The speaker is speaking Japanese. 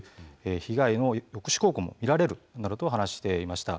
被害の抑止効果も見られる」などと話していました。